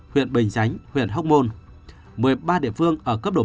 huyện bình chánh huyện hóc môn một mươi ba địa phương ở cấp độ một